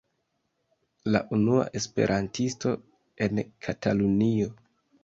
La unua Esperantisto en Katalunio.